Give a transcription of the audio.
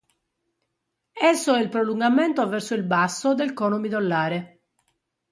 Esso è il prolungamento verso il basso del cono midollare.